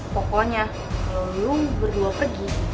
pokoknya kalo lo berdua pergi